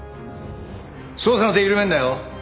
捜査の手緩めんなよ。